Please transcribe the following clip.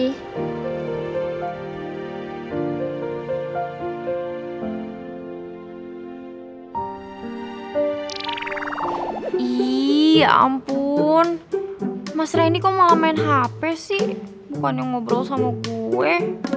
iya ampun mas reini kok malah main hp sih bukan yang ngobrol sama gue